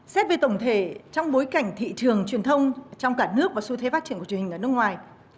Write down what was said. xét về tổng thể trong bối cảnh thị trường truyền thông trong cả nước và xu thế phát triển của truyền hình ở nước ngoài